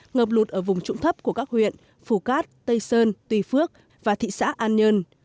ngập lụt ở vùng trụng thấp của các huyện phù cát tây sơn tuy phước và thị xã an nhơn